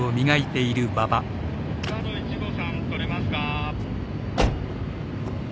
バード１号さん取れますか？